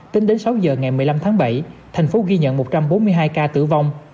một mươi năm tháng bảy thành phố ghi nhận một trăm bốn mươi hai ca tử vong